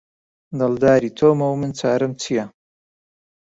دڵداری تۆمە و من چارەم چیە؟